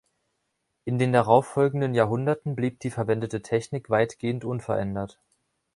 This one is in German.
In den darauffolgenden Jahrhunderten blieb die verwendete Technik weitgehend unverändert.